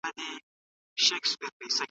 د ښځو اقتصادي پیاوړتیا کورنۍ نېکمرغه کوي.